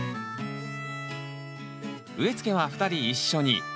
植えつけは２人一緒に。